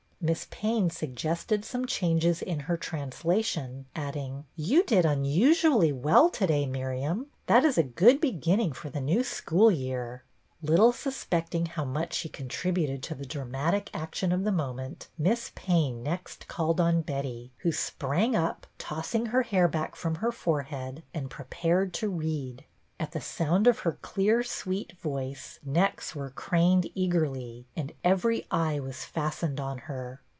Miss Payne suggested some changes in her translation, adding, — "You did unusually well to day, Miriam. That is a good beginning for the new school year." Little suspecting how much she contrib uted to the dramatic action of the moment. Miss Payne next called on Betty, who sprang up, tossing her hair back from her forehead, und prepared to read. At the sound of her clear, sweet voice, necks were craned eagerly and every eye was fastened on her.